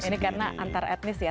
ini karena antar etnis ya